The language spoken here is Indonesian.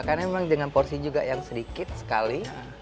karena memang dengan porsi juga yang sedikit sekali